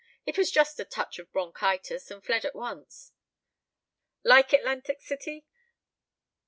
It was just a touch of bronchitis and fled at once." "Like Atlantic City?"